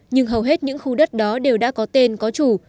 nhưng hầu hết những khu đất đó đều đã có tên có chủ